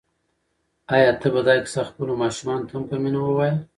آیا ته به دا کیسه خپلو ماشومانو ته هم په مینه ووایې؟